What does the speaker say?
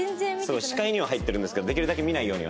視界には入ってるんですけどできるだけ見ないようには。